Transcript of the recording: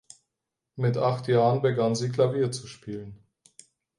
Mit acht Jahren begann sie Klavier zu spielen.